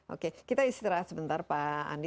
oke kita istirahat sebentar pak andi